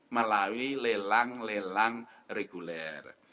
melalui lelang lelang reguler